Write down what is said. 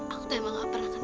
aku tuh emang gak pernah kenal